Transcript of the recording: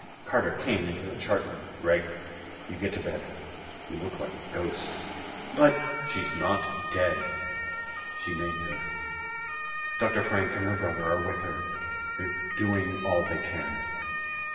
Carter came into the chart room. "Gregg, you get to bed. You look like a ghost." "But " "She's not dead. She may live. Dr. Frank and her brother are with her. They're doing all they can."